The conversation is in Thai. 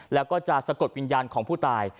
แล้วก็จะสะกดวิญญาณของผู้ตาย